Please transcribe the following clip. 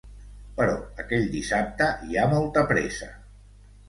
Però aquell dissabte hi ha molta pressa.